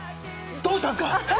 どうしたんですか！